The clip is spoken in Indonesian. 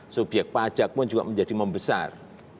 subyek pajak pun juga menjadi membesar